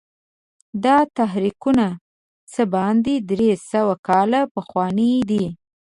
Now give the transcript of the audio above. دا تحریکونه څه باندې درې سوه کاله پخواني دي.